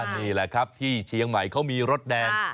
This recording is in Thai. นี่แหละครับที่เชียงใหม่เขามีรถแดง